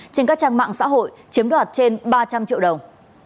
trên các trang mạng xã hội chiếm đoạt trên ba trăm linh triệu đồng